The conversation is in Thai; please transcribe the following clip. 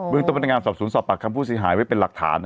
เมืองตรงบรรยายงามสอบสุดที่สอบปากคำความผู้เสียหายเป็นหลักฐาน